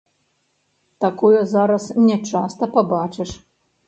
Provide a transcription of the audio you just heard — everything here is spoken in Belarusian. Такое зараз не часта пабачыш.